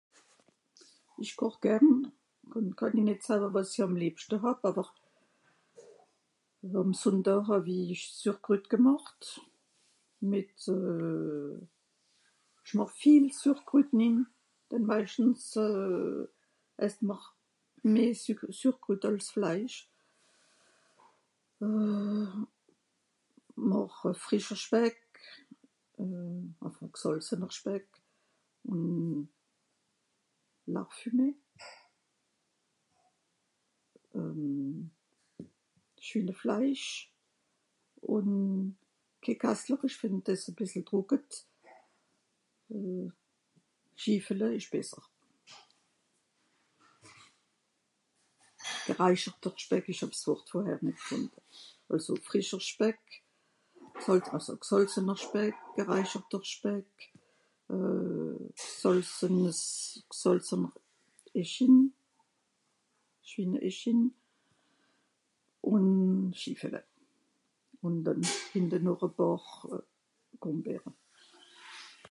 J'aime bien cuisiner Je peux pas dire ce que je préfère Dimanche j'ai fait de la choucroute je mets beaucoup de choux plus de choux que de viande, un peu de lard, du lard salé, de la viande de porc, pas de kassler, je trouve ça trop sec , plutôt du schiffelè de l'échine, échine salée et quelques pommes de terre